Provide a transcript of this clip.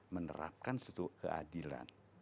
menerapkan suatu keadilan